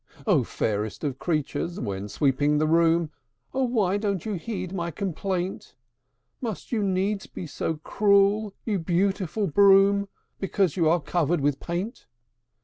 Ah! fairest of creatures, when sweeping the room, Ah! why don't you heed my complaint? Must you needs be so cruel, you beautiful Broom, Because you are covered with paint?